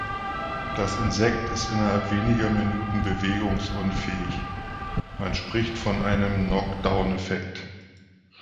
Das Insekt ist innerhalb weniger Minuten bewegungsunfähig, man spricht von einem „knock-down“-Effekt.